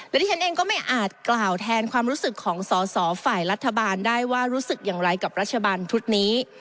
และที่ฉันเองก็ไม่อาจกล่าวแทนความรู้สึกของสอสอฝ่ายรัฐบาลได้ว่ารู้สึกอย่างไรกับรัฐบาลชุดนี้